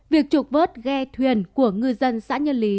việc trục vớt ghe thuyền của ngư dân xã nhân lý